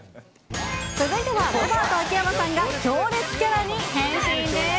続いては、ロバート秋山さんが強烈キャラに変身です。